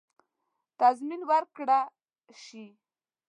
تضمین ورکړه شي.